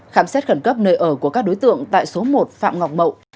khám xét khẩn cấp nơi ở của các đối tượng tại số một phạm ngọc mậu